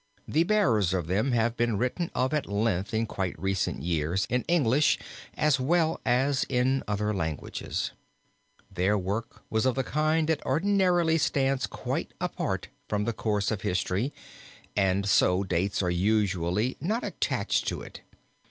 The bearers of them have been written of at length in quite recent years in English as well as in other languages. Their work was of the kind that ordinarily stands quite apart from the course of history and so dates are usually not attached to it.